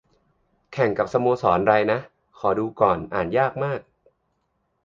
แข่งกับสโมสรไรนะ ขอกดดูก่อน อ่านยากมาก